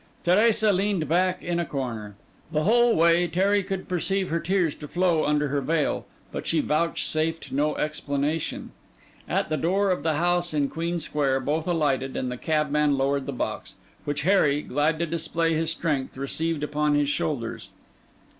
Teresa leaned back in a corner. The whole way Harry could perceive her tears to flow under her veil; but she vouchsafed no explanation. At the door of the house in Queen Square, both alighted; and the cabman lowered the box, which Harry, glad to display his strength, received upon his shoulders.